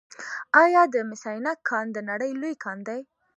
آیا د مس عینک کان د نړۍ لوی کان دی؟